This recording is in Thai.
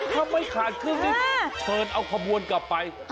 ถ้าไม่ขาดครึ่งนี่เชิญเอาขบวนกลับไป